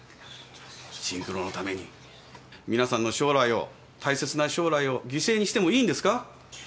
シンクロのために皆さんの将来を大切な将来を犠牲にしてもいいんですか？